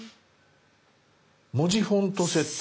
「文字フォント設定」。